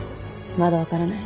まだ分からない。